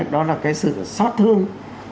đó là cái sự xót thương